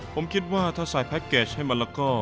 ผมคิดว่าถ้าใส่แพ็คเกจให้มันแล้วก็